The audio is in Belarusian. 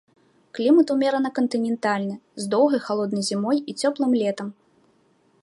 Клімат умерана кантынентальны з доўгай халоднай зімой і цёплым летам.